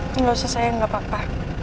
tidak usah sayang gakpapa